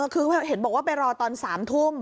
คือเห็นบอกว่าไปรอตอน๓ทุ่ม